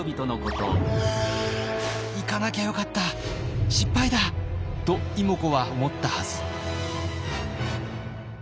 「行かなきゃよかった失敗だ！」と妹子は思ったはず。